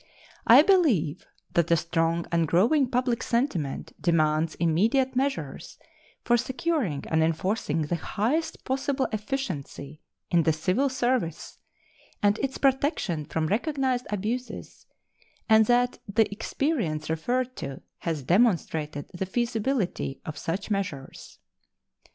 I believe that a strong and growing public sentiment demands immediate measures for securing and enforcing the highest possible efficiency in the civil service and its protection from recognized abuses, and that the experience referred to has demonstrated the feasibility of such measures.